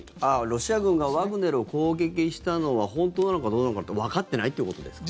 ロシア軍がワグネルを攻撃したのは本当なのかどうなのかというのはわかっていないということですか？